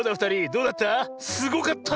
どうだった？